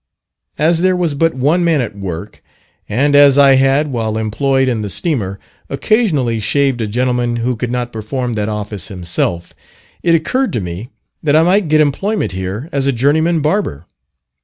As there was but one man at work, and as I had, while employed in the steamer, occasionally shaved a gentleman who could not perform that office himself, it occurred to me that I might get employment here as a journeyman barber.